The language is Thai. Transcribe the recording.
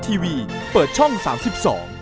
ขอบคุณครับ